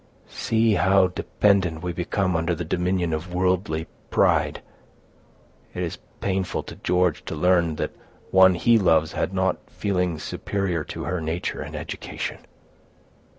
"See how dependent we become under the dominion of worldly pride; it is painful to George to learn that one he loves had not feelings superior to her nature and education."